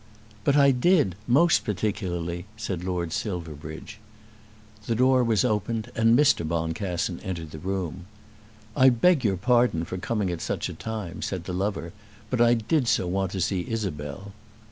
"But I did, most particularly," said Lord Silverbridge. The door was opened and Mr. Boncassen entered the room. "I beg your pardon for coming at such a time," said the lover, "but I did so want to see Isabel."